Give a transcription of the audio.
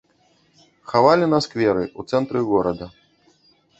Хавалі на скверы, у цэнтры горада.